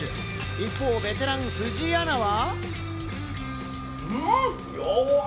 一方、ベテラン・藤井アナは。